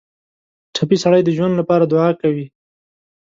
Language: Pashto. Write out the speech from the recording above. ټپي سړی د ژوند لپاره دعا کوي.